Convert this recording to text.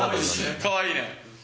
かわいいね。